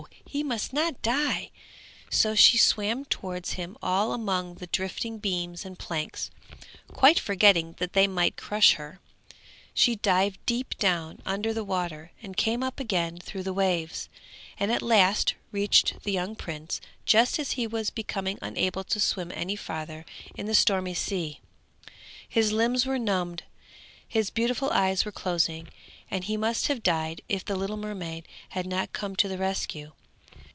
he must not die; so she swam towards him all among the drifting beams and planks, quite forgetting that they might crush her. She dived deep down under the water, and came up again through the waves, and at last reached the young prince just as he was becoming unable to swim any further in the stormy sea. His limbs were numbed, his beautiful eyes were closing, and he must have died if the little mermaid had not come to the rescue.